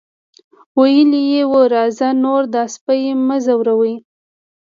ویلي یې وو راځئ نور دا سپی مه ځوروئ.